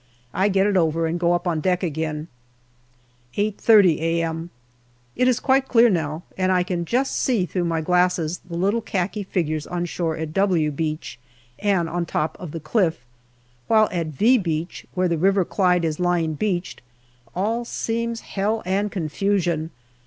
I get it over and go up on deck again. 8.30 a.m. It is quite clear now, and I can just see through my glasses the little khaki figures on shore at " W " Beach and on the top of the cliff, while at " V " Beach, where the River Clyde is lying beached, all seems hell and con fusion.